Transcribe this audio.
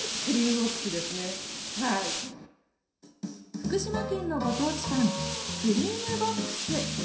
福島県のご当地パン、クリームボックス。